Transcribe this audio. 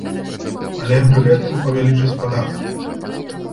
Але пры гэтым павялічаць падаткі.